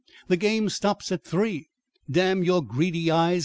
The game stops at three." "Damn your greedy eyes!"